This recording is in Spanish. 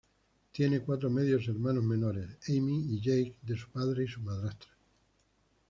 Tiene cuatro medios hermanos menores; Amy y Jake de su padre y su madrastra.